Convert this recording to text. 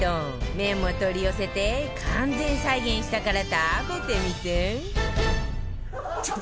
麺も取り寄せて完全再現したから食べてみて